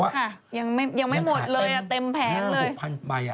ยังไม่หมดเลยเต็มแผงเลย